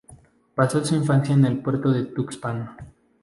Pasó su infancia en el puerto de Tuxpan.